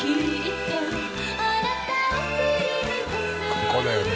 ここだよね